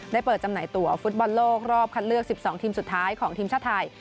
เปิดจำหน่ายตัวฟุตบอลโลกรอบคัดเลือก๑๒ทีมสุดท้ายของทีมชาติไทย